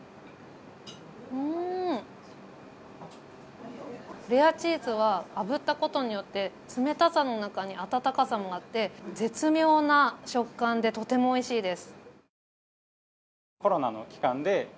うーん、レアチーズはあぶったことによって冷たさの中に温かさがあって絶妙な食感でとてもおいしいです。